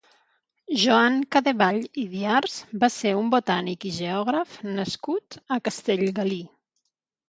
Joan Cadevall i Diars va ser un botànic i geògraf nascut a Castellgalí.